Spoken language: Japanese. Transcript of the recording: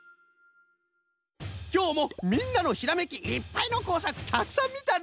きょうもみんなのひらめきいっぱいのこうさくたくさんみたの！